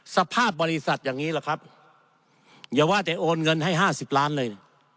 สภาพบริษัทอย่างนี้แหละครับอย่าว่าแต่โอนเงินให้๕๐ล้านเลย